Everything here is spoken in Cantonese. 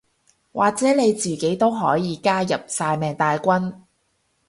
或者你自己都可以加入曬命大軍